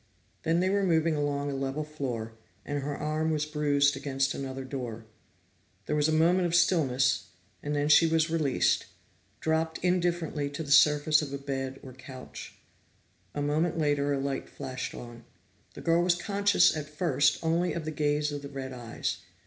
Then they were moving along a level floor, and her arm was bruised against another door. There was a moment of stillness, and then she was released, dropped indifferently to the surface of a bed or couch. A moment later a light flashed on. The girl was conscious at first only of the gaze of the red eyes.